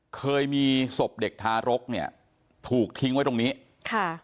เคยมีศพเด็กทารกเนี่ยถูกทิ้งไว้ตรงนี้ค่ะ